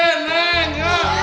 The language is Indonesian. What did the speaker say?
bagi padu aja neng